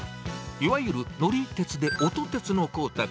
いわゆる乗り鉄で、音鉄の航大君。